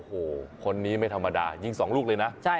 โอ้โหคนนี้ไม่ธรรมดายิง๒ลูกเลยนะ